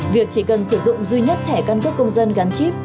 việc chỉ cần sử dụng duy nhất thẻ căn cước công dân gắn chip